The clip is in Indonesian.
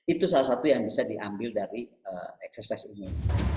itu salah satu yang bisa diambil dari eksersis ini